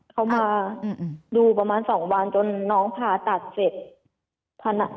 เขามาดูประมาณ๒วันจนน้องผ่าตัดเสร็จ